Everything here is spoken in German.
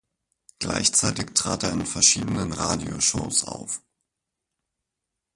Gleichzeitig trat er in verschiedenen Radioshows auf.